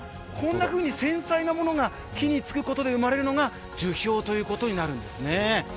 こんなふうに繊細なものが木につくことで生まれるのが樹氷ということになるんですね。